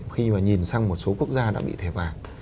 khi mà nhìn sang một số quốc gia đã bị thẻ vàng